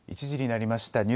１時になりました。